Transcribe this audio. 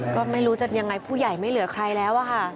ก็ไม่รู้จะยังไงผู้ใหญ่ไม่เหลือใครแล้วอะค่ะ